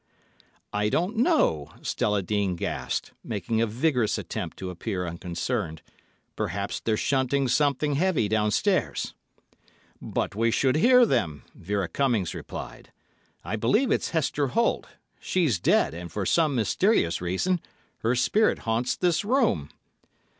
"'I don't know,' Stella Dean gasped, making a vigorous attempt to appear unconcerned; 'perhaps they're shunting something heavy downstairs.' "'But we should hear them,' Vera Cummings replied. 'I believe it's Hester Holt; she's dead, and for some mysterious reason her spirit haunts this room.